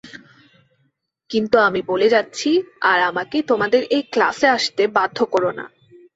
কিন্তু আমি বলে যাচ্ছি আর আমাকে তোমাদের এই ক্লাসে আসতে বাধ্য কোরো না।